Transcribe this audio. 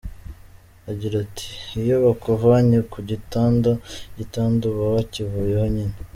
Agira ati "Iyo bakuvanye ku gitanda, igitanda uba wakivuyeho nyine.